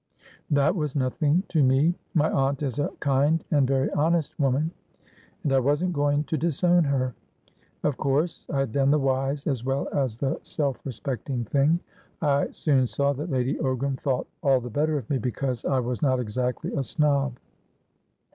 That was nothing to me. My aunt is a kind and very honest woman, and I wasn't going to disown her. Of course I had done the wise, as well as the self respecting, thing; I soon saw that Lady Ogram thought all the better of me because I was not exactly a snob."